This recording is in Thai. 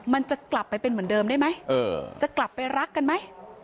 มันจะกลับไปเป็นเหมือนเดิมได้ไหมจะกลับไปรักกันไหม